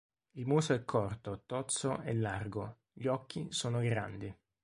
Il muso è corto, tozzo e largo, gli occhi sono grandi.